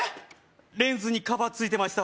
レンズにカバーついてました